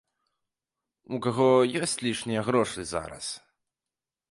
У каго ёсць лішнія грошы зараз?